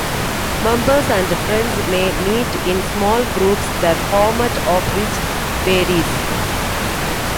Members and friends may meet in small groups, the format of which varies.